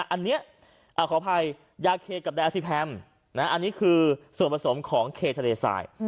อันนี้ขออภัยยาเคกับไดอาซิแพมอันนี้คือส่วนผสมของเคทะเลทราย